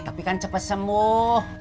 tapi kan cepet semuh